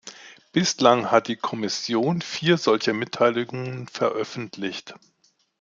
Bislang hat die Kommission vier solcher Mitteilungen veröffentlicht.